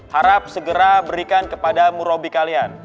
harap segera berikan kepada murobi kalian